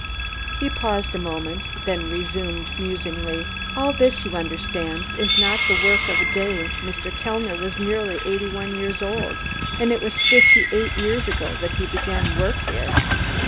He paused a moment, then resumed musingly: "All this, you understand, is not the work of a day Mr. Kellner was nearly eighty one years old, and it was fifty eight years ago that he began work here.